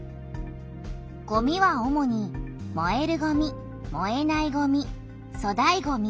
ごみは主にもえるごみもえないごみそだいごみ